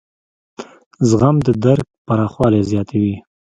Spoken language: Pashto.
زغم د درک پراخوالی زیاتوي.